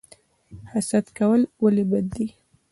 حسد کول ولې بد دي؟